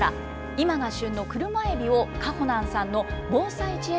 今が旬の車えびを、かほなんさんの防災ちえ